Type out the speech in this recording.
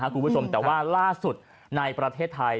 คุณผู้ชมแต่ว่าล่าสุดในประเทศไทย